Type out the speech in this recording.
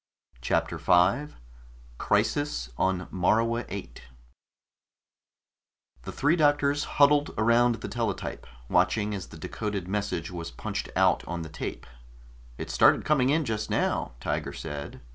CHAPTER 5 CRISIS ON MORUA VIII The three doctors huddled around the teletype, watching as the decoded message was punched out on the tape. "It started coming in just now," Tiger said.